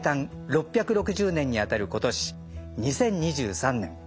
６６０年にあたる今年２０２３年。